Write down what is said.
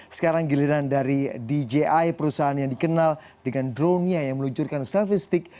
sekarang giliran dari dji perusahaan yang dikenal dengan dronenya yang meluncurkan selfie stick